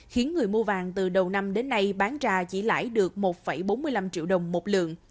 khiến người mua vàng từ đầu năm đến nay bán ra chỉ lãi được một bốn mươi năm triệu đồng một lượng